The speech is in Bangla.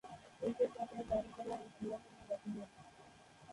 এরপর আর তাকে জাতীয় দলে খেলার জন্যে রাখা হয়নি।